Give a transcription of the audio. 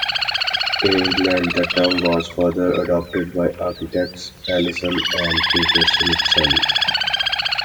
In England, the term was further adopted by architects Alison and Peter Smithson.